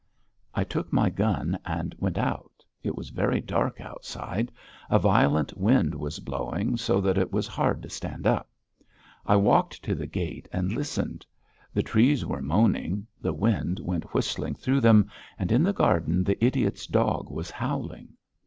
I took my gun and went out; it was very dark outside; a violent wind was blowing so that it was hard to stand up. I walked to the gate and listened; the trees were moaning; the wind went whistling through them, and in the garden the idiot's dog was howling.